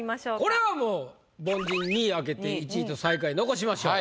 これはもう凡人２位開けて１位と最下位残しましょう。